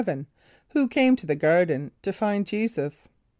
= Who came to the garden to find J[=e]´[s+]us?